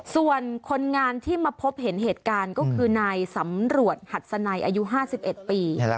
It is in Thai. ส่วนคนงานที่มาพบเห็นเหตุการณ์ก็คือนายสำรวจหัดสนัยอายุ๕๑ปี